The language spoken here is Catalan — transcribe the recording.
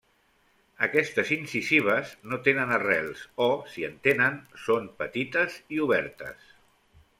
Aquestes incisives no tenen arrels o, si en tenen, són petites i obertes.